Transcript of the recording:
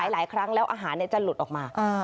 หลายครั้งแล้วอาหารจะหลุดออกมา